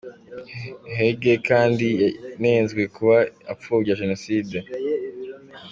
Hege kandi yanenzwe kuba apfobya jenoside.